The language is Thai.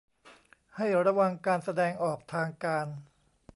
ให้ระวังการแสดงออกทางการ